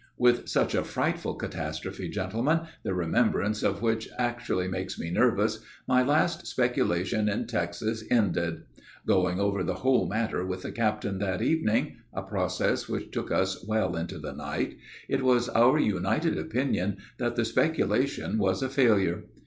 _' "With such a frightful catastrophe, gentlemen, the remembrance of which actually makes me nervous, my last speculation in Texas ended. Going over the whole matter with the captain that evening, a process which took us well into the night, it was our united opinion that the speculation was a failure.